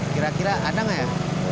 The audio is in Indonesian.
kira kira ada nggak ya